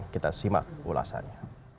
kita simak ulasannya